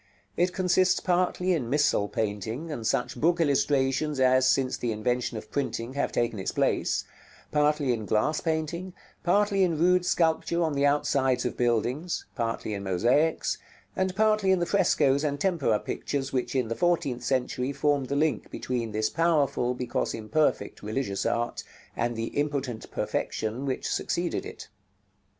It consists partly in missal painting, and such book illustrations as, since the invention of printing, have taken its place; partly in glass painting; partly in rude sculpture on the outsides of buildings; partly in mosaics; and partly in the frescoes and tempera pictures which, in the fourteenth century, formed the link between this powerful, because imperfect, religious art, and the impotent perfection which succeeded it.